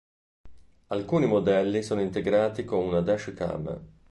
Alcuni modelli sono integrati con una Dash cam.